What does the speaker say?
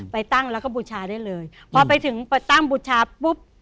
ไปตั้งแล้วก็บูชาได้เลยพอไปถึงไปตั้งบูชาปุ๊บ